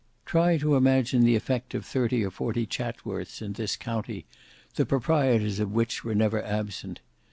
Try to imagine the effect of thirty or forty Chatsworths in this county the proprietors of which were never absent.